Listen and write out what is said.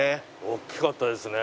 大きかったですね。